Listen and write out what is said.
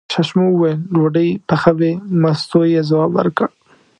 ششمو وویل: ډوډۍ پخوې، مستو یې ځواب ورکړ.